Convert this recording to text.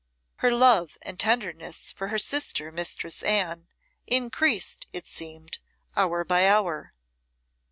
Her love and tenderness for her sister, Mistress Anne, increased, it seemed, hour by hour.